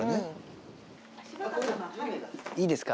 いいですか？